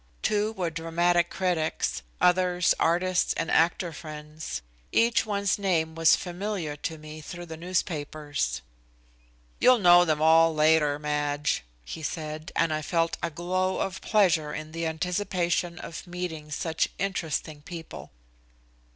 Two were dramatic critics, others artist and actor friends. Each one's name was familiar to me through the newspapers. "You'll know them all later, Madge," he said, and I felt a glow of pleasure in the anticipation of meeting such interesting people.